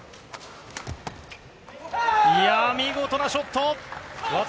いやー、見事なショット。